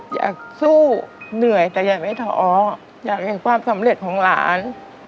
อยากสู้เหนื่อยแต่อย่าไม่ท้ออยากเห็นความสำเร็จของหลาน